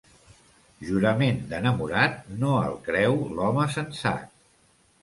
Jurament d'enamorat, no el creu l'home sensat.